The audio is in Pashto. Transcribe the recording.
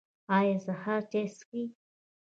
ایا سهار چای څښئ؟